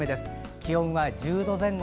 気温は１０度前後。